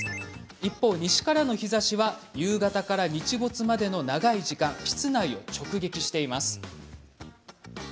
一方、西からの日ざしは夕方から日没までの長い時間室内を直撃してしまいます。